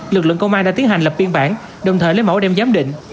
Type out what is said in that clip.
lực lượng công an đã tiến hành lập biên bản đồng thời lấy mẫu đem giám định